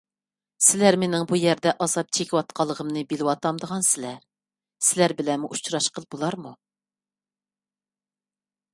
سىلەر مېنىڭ بۇ يەردە ئازاب چېكىۋاتقانلىقىمنى بىلىۋاتامدىغانسىلەر؟ سىلەر بىلەنمۇ ئۇچراشقىلى بولارمۇ؟